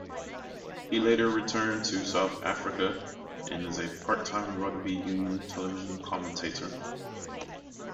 He later returned to South Africa, and is a part-time rugby union television commentator.